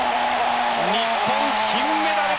日本金メダル！